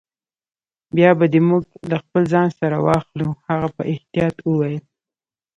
بیا به دي موږ له خپل ځان سره واخلو. هغه په احتیاط وویل.